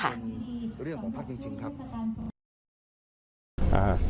เรื่องของพรรคจริงครับ